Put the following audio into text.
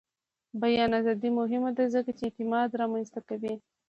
د بیان ازادي مهمه ده ځکه چې اعتماد رامنځته کوي.